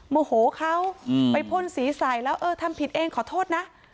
โมโหเขาไปพ่นสีใส่แล้วเออทำผิดเองขอโทษนะ